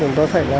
chúng tôi phải